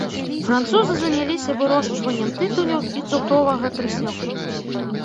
Французы заняліся вырошчваннем тытуню і цукровага трыснягу.